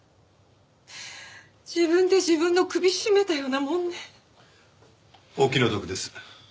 自分で自分の首絞めたようなもんね。お気の毒です。